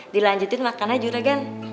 dilanjutin makannya juragan